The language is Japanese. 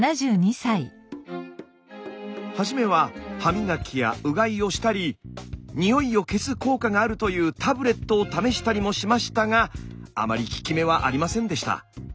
はじめは歯磨きやうがいをしたりにおいを消す効果があるというタブレットを試したりもしましたがあまり効き目はありませんでした。